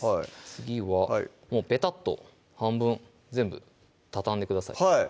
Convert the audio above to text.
次はもうペタッと半分全部畳んでください